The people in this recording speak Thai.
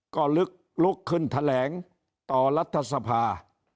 ก็ลึกลุกขึ้นแถลงต่อรัฐสภา